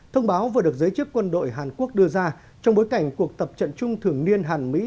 thông báo vừa được giới chức quân đội hàn quốc đưa ra trong bối cảnh cuộc tập trận chung thường niên hàn mỹ